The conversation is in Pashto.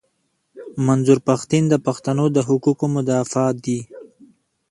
منظور پښتین د پښتنو د حقوقو مدافع دي.